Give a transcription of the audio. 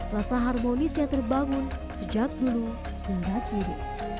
rasa harmonis yang terbangun sejak dulu hingga kini